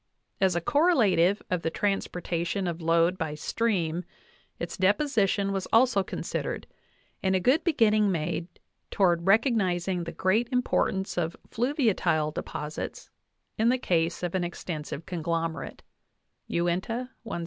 As a correlative of the transportation of load by stream, its deposition was also considered, and a good beginning made toward recog nizing the great importance of fluviatile deposits in the case of an extensive conglomerate (Uinta, 170).